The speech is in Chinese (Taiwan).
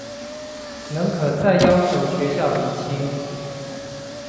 仍可再要求學校釐清